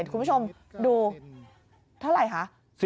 คุณผู้ชมดูเท่าไหร่คะ